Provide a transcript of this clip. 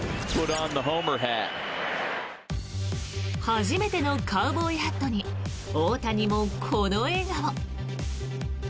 初めてのカウボーイハットに大谷もこの笑顔。